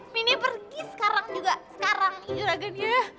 mini pergi sekarang juga sekarang nih juragan ya